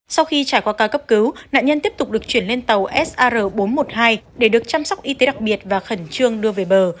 sau khi trải qua ca cấp cứu nạn nhân tiếp tục được chuyển lên tàu sr bốn trăm một mươi hai để được chăm sóc y tế đặc biệt và khẩn trương đưa về bờ